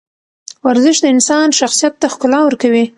ورزش د انسان شخصیت ته ښکلا ورکوي.